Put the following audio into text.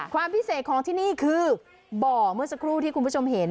ความพิเศษของที่นี่คือบ่อเมื่อสักครู่ที่คุณผู้ชมเห็น